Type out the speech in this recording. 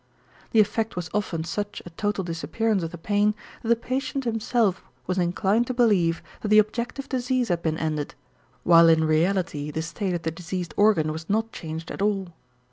The effect was often such a total disappearance of the pain that the patient himself was inclined to believe that the objective disease had been ended, while in reality the state of the diseased organ was not changed at all.